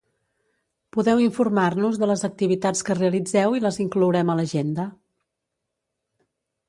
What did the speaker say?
Podeu informar-nos de les activitats que realitzeu i les inclourem a l'Agenda.